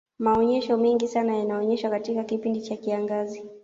maonyesho mengi sana yanaonyeshwa katika kipindi cha kiangazi